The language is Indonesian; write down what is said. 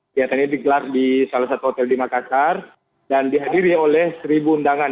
kegiatan ini digelar di salah satu hotel di makassar dan dihadiri oleh seribu undangan